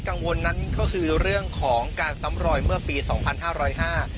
กังวลนั้นก็คือเรื่องของการซ้ำรอยเมื่อปีสองพันห้าร้อยห้า